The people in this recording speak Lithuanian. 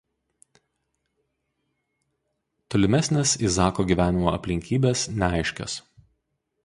Tolimesnės Izako gyvenimo aplinkybės neaiškios.